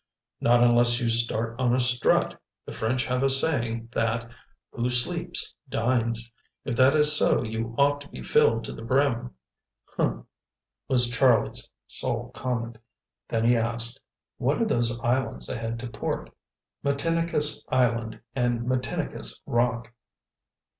"Not unless you start on a strut. The French have a saying that 'Who sleeps, dines.' If that is so you ought to be filled to the brim." "Huh!" was Charlie's sole comment. Then he asked: "What are those islands ahead to port?" "Matinicus Island and Matinicus Rock."